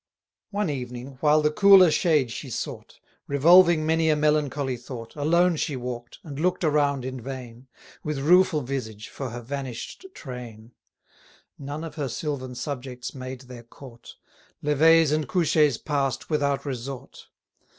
510 One evening, while the cooler shade she sought, Revolving many a melancholy thought, Alone she walk'd, and look'd around in vain, With rueful visage, for her vanish'd train: None of her sylvan subjects made their court; Levées and couchées pass'd without resort.